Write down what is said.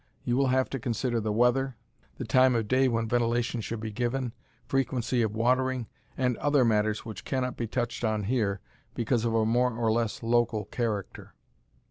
You will have to consider the weather, the time of day when ventilation should be given, frequency of watering, and other matters which cannot be touched on here because of a more or less local character.